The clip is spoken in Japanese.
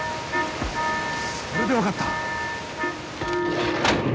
それで分かった。